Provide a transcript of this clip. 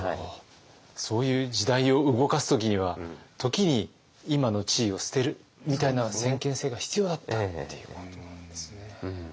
そういう時代を動かすときには時に今の地位を捨てるみたいな先見性が必要だったっていうことなんですね。